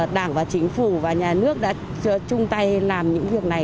đảng và chính phủ và nhà nước đã chung tay làm những việc này